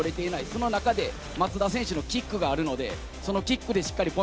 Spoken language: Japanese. その中で、松田選手のキックがあるので、そのキックでしっかりポ